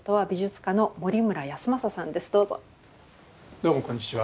どうもこんにちは。